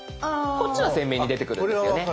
こっちは鮮明に出てくるんですよね。